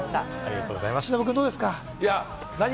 忍君、どうですか？